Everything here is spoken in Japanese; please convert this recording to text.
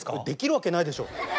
できるわけないでしょ！